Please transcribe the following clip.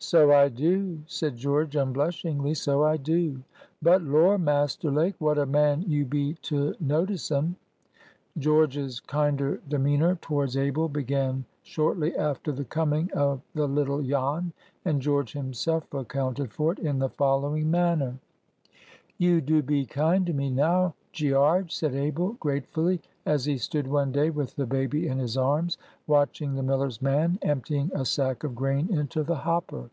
"So I do," said George, unblushingly, "so I do. But lor, Master Lake, what a man you be to notice un!" George's kinder demeanor towards Abel began shortly after the coming of the little Jan, and George himself accounted for it in the following manner:— "You do be kind to me now, Gearge," said Abel, gratefully, as he stood one day, with the baby in his arms, watching the miller's man emptying a sack of grain into the hopper.